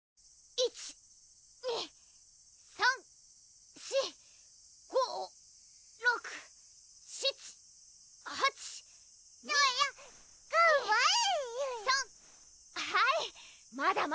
１・２・３・４・５・６・７・８・えぇ？